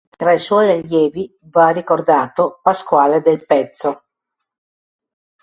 Tra i suoi allievi va ricordato Pasquale Del Pezzo.